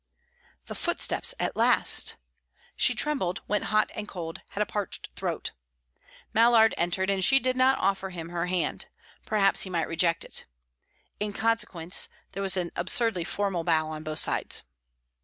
The footsteps at last! She trembled, went hot and cold, had a parched throat. Mallard entered, and she did not offer him her hand; perhaps he might reject it. In consequence there was an absurdly formal bow on both sides.